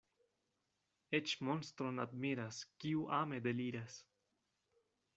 Eĉ monstron admiras, kiu ame deliras.